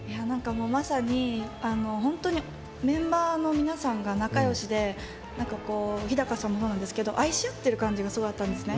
まさにメンバーの皆さんが仲よしで日高さんもそうなんですけど愛し合ってる感じがすごいあったんですね。